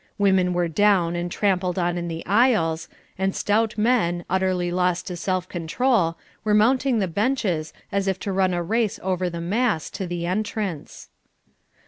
Women were down and trampled on in the aisles, and stout men, utterly lost to self control, were mounting the benches, as if to run a race over the mass to the entrance.